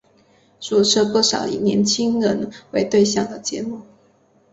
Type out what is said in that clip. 主持不少以年青人为对象的节目。